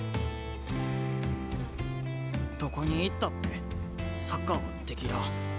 どこに行ったってサッカーはできらあ。